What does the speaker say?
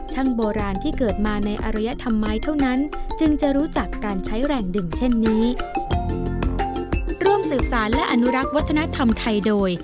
ช่างโบราณที่เกิดมาในอรยธรรมไม้เท่านั้นจึงจะรู้จักการใช้แรงดึงเช่นนี้